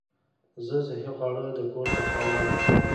زه صحي خواړه د کور څخه وړم.